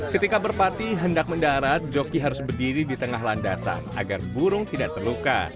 ketika merpati hendak mendarat joki harus berdiri di tengah landasan agar burung tidak terluka